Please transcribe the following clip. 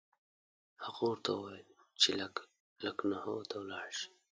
هغه ورته وویل چې لکنهو ته ولاړ شي.